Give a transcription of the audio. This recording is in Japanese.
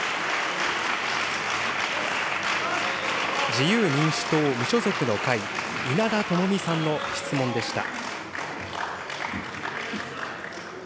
自由民主党・無所属の会、稲田朋美さんの質問でした。